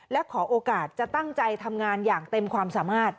และขอโอกาสจะตั้งใจทำงานอย่างเต็มความสามารถ